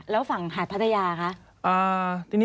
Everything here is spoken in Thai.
แล้วฝั่งหาดพัทยาคะ